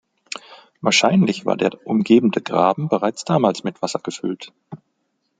Wahrscheinlich war der umgebende Graben bereits damals mit Wasser gefüllt.